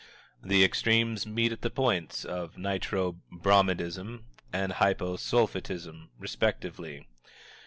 The extremes meet at the points of Nitro Bromidism and Hypo Sulphitism, respectively.